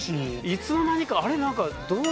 いつの間にかあれ？